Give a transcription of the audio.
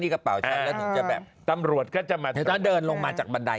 นี่กระเป๋าชันก็ถึงจะแบบตำรวจก็จะมาเกิดต้องเดินลงมาจากบันได